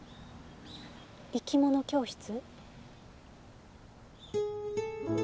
生き物教室？